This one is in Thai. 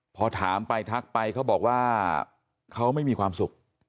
พอถามไปทักไปเขาบอกว่าเขาไม่มีความสุข